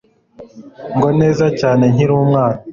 Noga neza cyane nkiri umwana.